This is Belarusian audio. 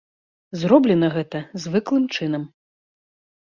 Зроблена гэта звыклым чынам.